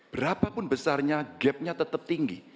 berapa pun besarnya gapnya tetap tinggi